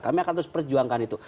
kami akan terus perjuangkan itu